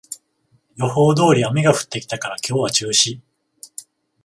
予報通り雨が降ってきたから今日は中止